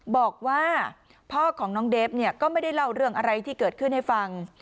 บอกว่าพ่อของน้องเดฟเนี่ยก็ไม่ได้เล่าเรื่องอะไรที่เกิดขึ้นให้ฟัง